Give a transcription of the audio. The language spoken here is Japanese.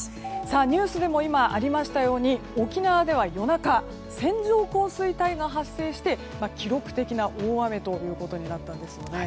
ニュースでもありましたように沖縄では夜中線状降水帯が発生して記録的な大雨ということになったんですよね。